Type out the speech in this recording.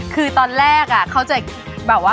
คือตอนแรกเขาจะ